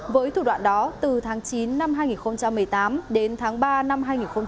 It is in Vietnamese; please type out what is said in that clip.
với thủ đoạn đó từ tháng chín năm hai nghìn một mươi tám đến tháng ba năm hai nghìn một mươi chín